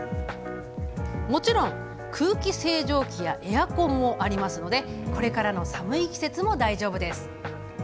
もちろん、空気清浄機やエアコンもあるのでこれからの寒い季節も大丈夫。